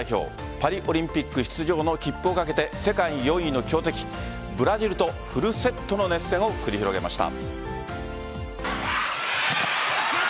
パリオリンピック出場の切符をかけて世界４位の強敵・ブラジルとフルセットの熱戦を繰り広げました。